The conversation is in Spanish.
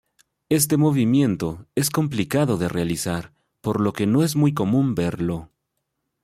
Este movimiento es complicado de realizar, por lo que no es muy común verlo.